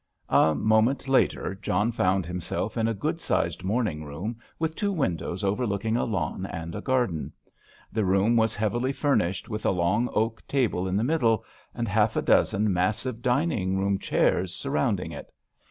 A moment later John found himself in a good sized morning room, with two windows overlooking a lawn and a garden. The room was heavily furnished with a long oak table in the middle, and half a dozen massive dining room chairs surrounding it.